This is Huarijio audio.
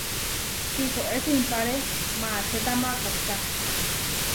Tihoé simpáre maačeta makohká.